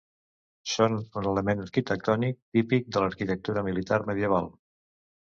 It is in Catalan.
Són un element arquitectònic típic de l'arquitectura militar medieval.